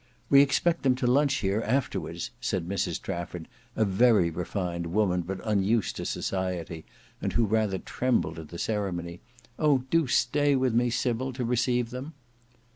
"We expect them to lunch here afterwards," said Mrs Trafford, a very refined woman, but unused to society, and who rather trembled at the ceremony; "Oh! do stay with me, Sybil, to receive them."